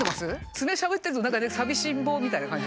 ツメしゃぶってると何かね寂しん坊みたいな感じ。